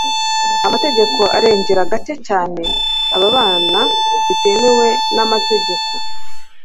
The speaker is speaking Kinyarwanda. amategeko arengera gake cyane ababana bitemewe n'amategeko